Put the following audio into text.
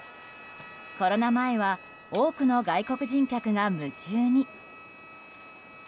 コロナ前は多くの外国人客が夢中に。